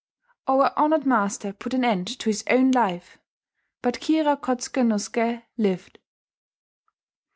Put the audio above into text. Our honoured master put an end to his own life; but Kira Kotsuke no Suke lived.